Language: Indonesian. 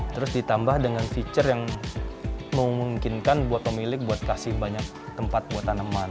terus ditambah dengan feature yang memungkinkan buat pemilik buat kasih banyak tempat buat tanaman